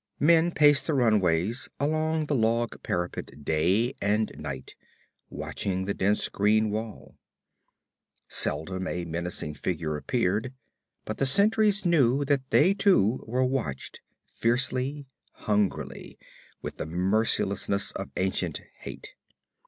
Men paced the runways along the log parapet day and night, watching that dense green wall. Seldom a menacing figure appeared, but the sentries knew that they too were watched, fiercely, hungrily, with the mercilessness of ancient hate.